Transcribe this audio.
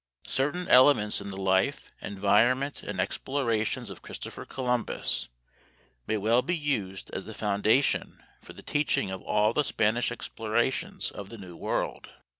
Certain elements in the life, environment, and explorations of Christopher Columbus may well be used as the foundation for the teaching of all the Spanish explorations of the New World.